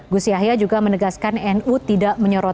gus yahya juga menegaskan nu tidak menyoroti